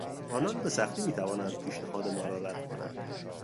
آنان به سختی میتوانند پیشنهاد ما را رد کنند.